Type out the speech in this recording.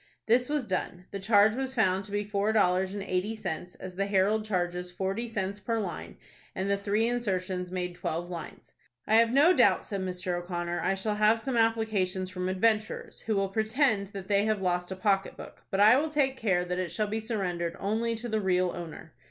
This was done. The charge was found to be four dollars and eighty cents, as the "Herald" charges forty cents per line, and the three insertions made twelve lines. "I have no doubt," said Mr. O'Connor, "I shall have some applications from adventurers, who will pretend that they have lost a pocket book; but I will take care that it shall be surrendered only to the real owner."